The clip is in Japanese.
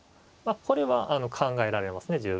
これは考えられますね十分。